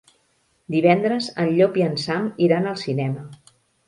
Divendres en Llop i en Sam iran al cinema.